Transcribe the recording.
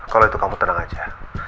kalau itu kamu tenang aja